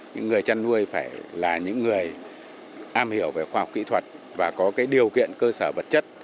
những người chăn nuôi phải là những người am hiểu về khoa học kỹ thuật và có điều kiện cơ sở vật chất